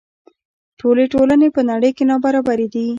ټولې ټولنې په نړۍ کې نابرابرې دي.